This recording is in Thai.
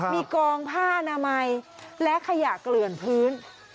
มีกองผ้าอนามัยและขยะเกลื่อนพื้น